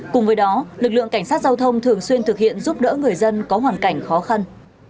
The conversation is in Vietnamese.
cùng với đó lực lượng cảnh sát giao thông thường xuyên thực hiện giúp đỡ người dân có hoàn cảnh khó khăn